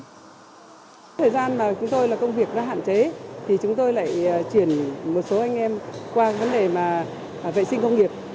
trong thời gian mà chúng tôi là công việc hạn chế thì chúng tôi lại chuyển một số anh em qua vấn đề vệ sinh công nghiệp